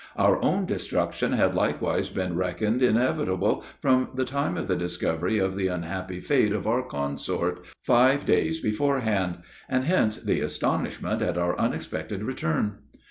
Our own destruction had likewise been reckoned inevitable, from the time of the discovery of the unhappy fate of our consort, five days beforehand; and hence the astonishment at our unexpected return.